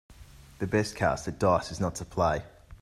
The best cast at dice is not to play.